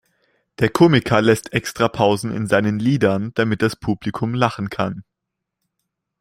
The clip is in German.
Der Komiker lässt extra Pausen in seinen Liedern, damit das Publikum lachen kann.